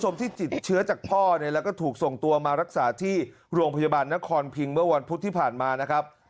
มารักษาที่โรงพยาบาลนครพิงเมื่อวันพุธที่ผ่านมานะครับ